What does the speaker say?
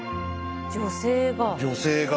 女性が。